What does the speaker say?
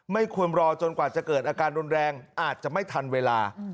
ไม่ควรรอจนกว่าจะเกิดอาการรุนแรงอาจจะไม่ทันเวลา